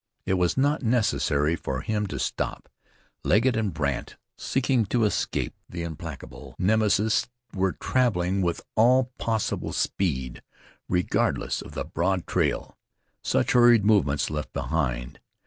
It was not necessary for him to stop. Legget and Brandt, seeking to escape the implacable Nemesis, were traveling with all possible speed, regardless of the broad trail such hurried movements left behind.